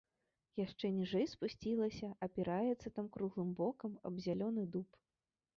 Яшчэ ніжэй спусцілася, апіраецца там круглым бокам аб зялёны дуб.